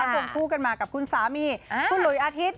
รวมคู่กันมากับคุณสามีคุณหลุยอาทิตย